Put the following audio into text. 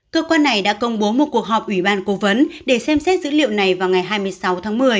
cơ quan này đã công bố một cuộc họp ủy ban cố vấn để xem xét dữ liệu này vào ngày hai mươi sáu tháng một mươi